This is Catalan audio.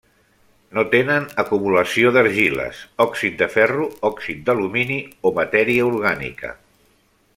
No tenen acumulació d'argiles, òxid de ferro, òxid d'alumini o matèria orgànica.